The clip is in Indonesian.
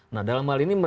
nah dalam hal ini